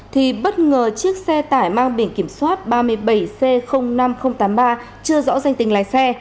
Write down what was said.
thì bất ngờ chiếc xe tải mang biển kiểm soát ba mươi bảy c năm nghìn tám mươi ba chưa rõ danh tình lái xe